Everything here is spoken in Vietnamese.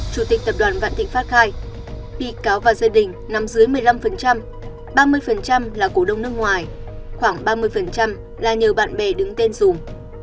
chủ tịch tập đoàn vạn thịnh pháp khai bị cáo và gia đình nằm dưới một mươi năm ba mươi là cổ đông nước ngoài khoảng ba mươi là nhờ bạn bè đứng tên dùm